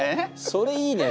それいいね！